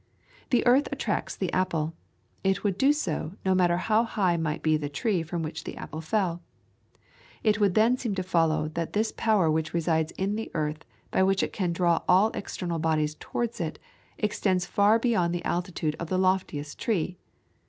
The earth attracts the apple; it would do so, no matter how high might be the tree from which that apple fell. It would then seem to follow that this power which resides in the earth by which it can draw all external bodies towards it, extends far beyond the altitude of the loftiest tree.